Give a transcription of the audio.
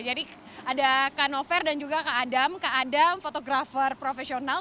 jadi ada kak nover dan juga kak adam kak adam fotografer profesional